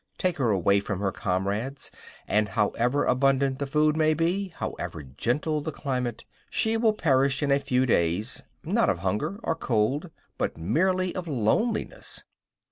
Take her away from her comrades, and however abundant the food may be, however gentle the climate, she will perish in a few days, not of hunger or cold, but merely of loneliness.